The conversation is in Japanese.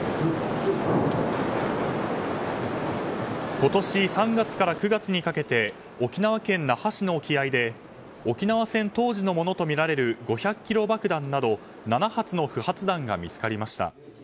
今年３月から９月にかけて沖縄県那覇市の沖合で沖縄戦当時のものとみられる５００ｋｇ爆弾など７発の不発弾が見つかりました。